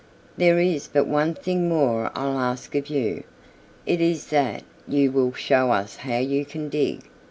There is but one thing more I'll ask of you. It is that you will show us how you can dig.